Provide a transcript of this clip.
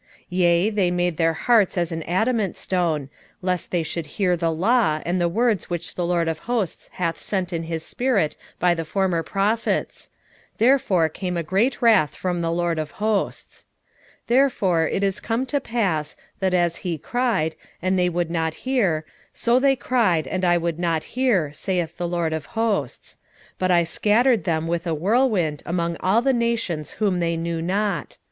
7:12 Yea, they made their hearts as an adamant stone, lest they should hear the law, and the words which the LORD of hosts hath sent in his spirit by the former prophets: therefore came a great wrath from the LORD of hosts. 7:13 Therefore it is come to pass, that as he cried, and they would not hear; so they cried, and I would not hear, saith the LORD of hosts: 7:14 But I scattered them with a whirlwind among all the nations whom they knew not.